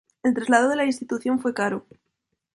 El traslado de la institución fue caro.